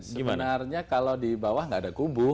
sebenarnya kalau di bawah nggak ada kubu